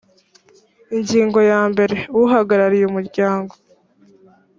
ingingo ya mbere uhagarariye umuryango